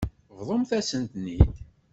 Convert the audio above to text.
Bḍumt-as-ten-id.